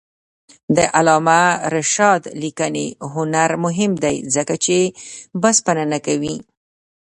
د علامه رشاد لیکنی هنر مهم دی ځکه چې بسنه نه کوي.